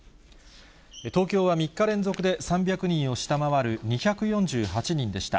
東京は３日連続で３００人を下回る２４８人でした。